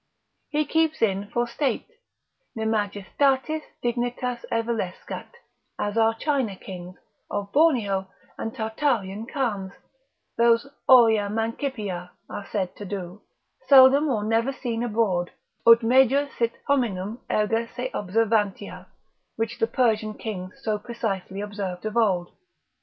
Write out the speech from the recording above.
He keeps in for state, ne majestatis dignitas evilescat, as our China kings, of Borneo, and Tartarian Chams, those aurea mancipia, are said to do, seldom or never seen abroad, ut major sit hominum erga se observantia, which the Persian kings so precisely observed of old.